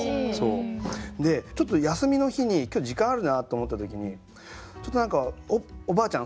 でちょっと休みの日に今日時間あるなって思った時にちょっと何かおばあちゃん